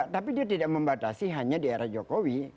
tapi dia tidak membatasi hanya di era jokowi